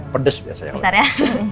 pedes biasa ya bentar ya